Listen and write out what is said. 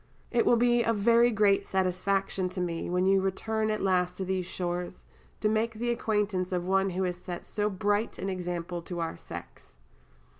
It will be a very great satisfaction to me, when you return at last to these shores, to make the acquaintance of one who has set so bright an example to our sex.